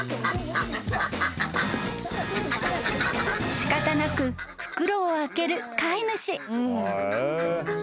［仕方なく袋を開ける飼い主］